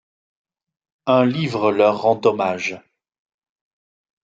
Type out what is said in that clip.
Un livre leur rend hommage.